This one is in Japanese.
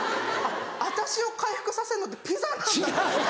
私を回復させるのってピザなんだ。